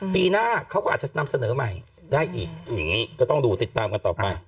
ปีหน้าเขาก็อาจจะนำเสนอใหม่ได้อีกอย่างนี้ก็ต้องดูติดตามกันต่อไป